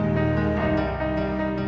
mundur udah dicari